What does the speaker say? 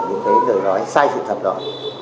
những cái người nói sai sự thật đó